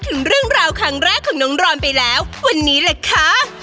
ถึงเรื่องราวครั้งแรกของน้องรอนไปแล้ววันนี้แหละค่ะ